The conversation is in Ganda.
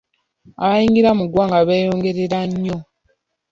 Abayingira mu ggwanga beeyongerera nnyo.